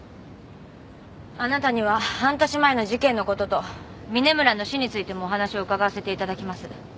あなたには半年前の事件のことと峰村の死についてもお話を伺わせていただきます。